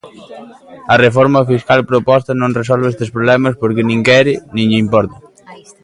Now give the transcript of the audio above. A reforma fiscal proposta non resolve estes problemas porque nin quere, nin lle importan.